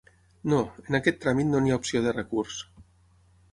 No, en aquest tràmit no n'hi ha opció de recurs.